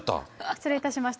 失礼いたしました。